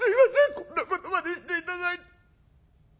こんなことまでして頂いて。